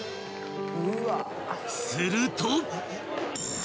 ［すると］